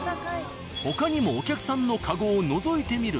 他にもお客さんのカゴをのぞいてみると。